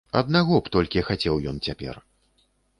Аднаго б толькі хацеў ён цяпер.